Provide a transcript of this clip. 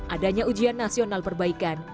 adanya ujian nasional perbaikan